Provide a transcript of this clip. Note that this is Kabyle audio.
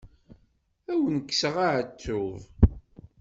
Ad wen-kkseɣ aεettub.